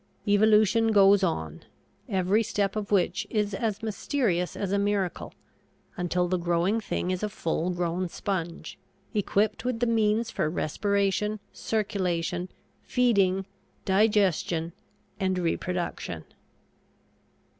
Evolution goes on, every step of which is as mysterious as a miracle, until the growing thing is a full grown sponge, equipped with the means for respiration, circulation, feeding, digestion, and reproduction.